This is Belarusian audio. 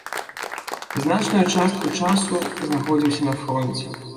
Значную частку часу знаходзіўся на фронце.